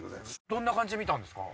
どんな感じで見たんですか？